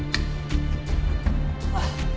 あっ。